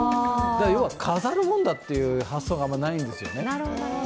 飾るものだっていう発想があまりないんですよね。